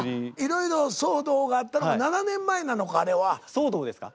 騒動ですか？